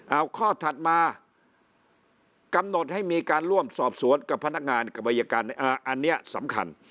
เอาข้อถัดมากำหนดให้มีการร่วมสอบสวนกับพนักงานกับอายการอันนี้สำคัญ